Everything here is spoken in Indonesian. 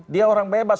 dia orang bebas